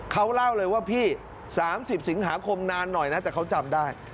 เขาเล่าเลยว่าพี่๓๐สิงหาคมนานหน่อยนะแต่เขาจำได้